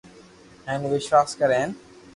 ھين وݾواس ڪر ھين